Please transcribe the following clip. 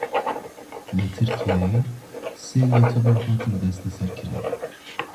Li Tirkiyeyê sê youtuber hatin desteserkirin.